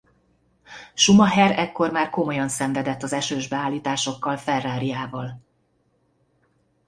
Schumacher ekkor már komolyan szenvedett az esős beállításokkal Ferrarijával.